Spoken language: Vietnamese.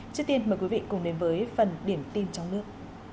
trước tiên mời quý vị cùng đến với phần điểm tin trong nước